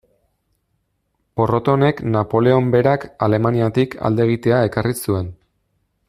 Porrot honek Napoleon berak Alemaniatik alde egitea ekarri zuen.